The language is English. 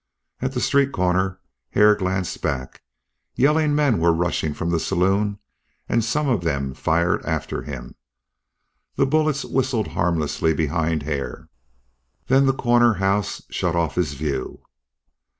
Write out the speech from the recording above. At the street corner Hare glanced back. Yelling men were rushing from the saloon and some of them fired after him. The bullets whistled harmlessly behind Hare. Then the corner house shut off his view.